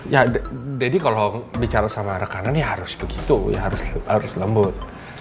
ya jadi kalau bicara sama rekanan ya harus begitu ya harus lembut